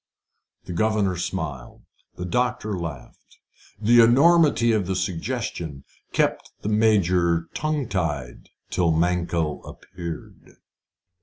The governor smiled. The doctor laughed. The enormity of the suggestion kept the Major tongue tied till Mankell appeared.